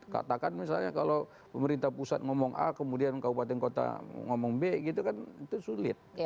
katakan misalnya kalau pemerintah pusat ngomong a kemudian kabupaten kota ngomong b gitu kan itu sulit